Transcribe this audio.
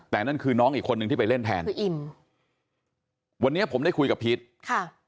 แต่นั่นคือน้องอีกคนนึงที่ไปเล่นแทนคืออิมวันนี้ผมได้คุยกับพีชค่ะ